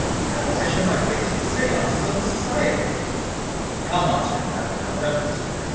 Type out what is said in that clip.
How shall I show my face at the SEANCES of the Society?" "Come, Monsieur Paganel, don't despair.